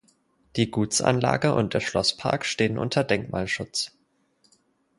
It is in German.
Die Gutsanlage und der Schlosspark stehen unter Denkmalschutz.